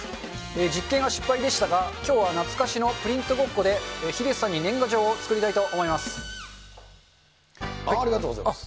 実験は失敗でしたが、きょうは懐かしのプリントゴッコでヒデさんに年賀状を作りたいとありがとうございます。